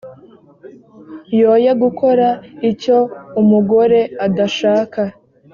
yoye gukora icyo umugore adashaka